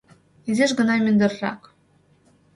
Изиш гына мӱндыррак.